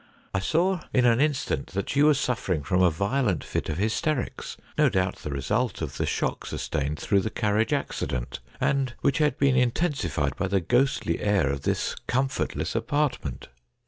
I saw in an instant that she was suffering from a vio lent fit of hysterics, no doubt the result of the shock sustained through the carriage accident, and which had been intensified by the ghostly air of this comfortless apartment.